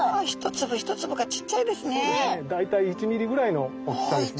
大体１ｍｍぐらいの大きさですね。